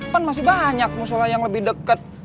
kan masih banyak musola yang lebih dekat